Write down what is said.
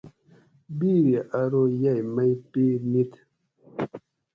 بیری ارو یئ مئ پیرہ نِیت